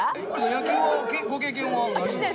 野球はご経験は無いんですね？